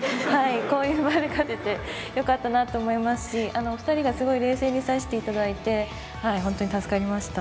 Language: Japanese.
こういう場で勝ててよかったなと思いますし２人がすごい冷静に指していただいてほんとに助かりました。